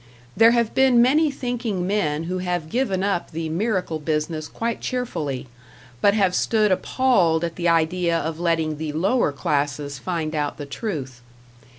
There have been many thinking men who have given up the miracle business quite cheerfully, but have stood appalled at the idea of letting the lower classes find out the truth.